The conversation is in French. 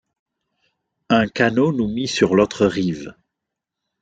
Un canot nous mit sur l'autre rive.